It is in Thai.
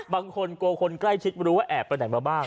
กลัวคนใกล้ชิดรู้ว่าแอบไปไหนมาบ้าง